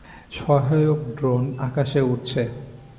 সহায়ক ড্রোন আকাশে উড়ছে।